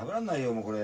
もうこれ。